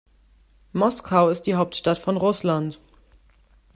Moskau ist die Hauptstadt von Russland.